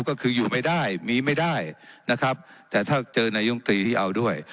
ก็คืออยู่ไม่ได้มีไม่ได้นะครับแต่ถ้าเจอนายมตรีที่เอาด้วย